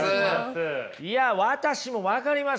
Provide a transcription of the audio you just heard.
いや私も分かります。